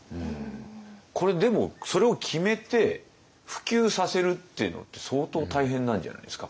これでもそれを決めて普及させるっていうのって相当大変なんじゃないですか？